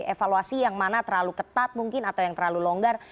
evaluasi yang mana terlalu ketat mungkin atau yang terlalu longgar